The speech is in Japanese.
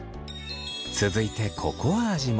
続いてココア味も。